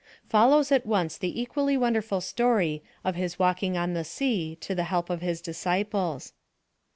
Follows at once the equally wonderful story of his walking on the sea to the help of his disciples.